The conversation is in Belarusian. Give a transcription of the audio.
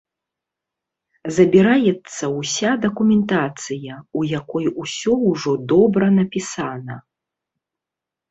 Забіраецца ўся дакументацыя, у якой усё ўжо добра напісана.